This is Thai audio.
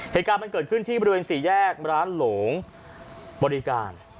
เหตุการณ์มันเกิดขึ้นที่บริเวณสี่แยกร้านหลงบริการ